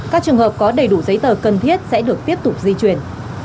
các trường hợp có đầy đủ giấy tờ cần thiết sẽ được tiếp tục di chuyển